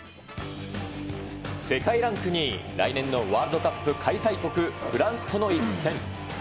世界ランク２位、来年のワールドカップ開催国、フランスとの一戦。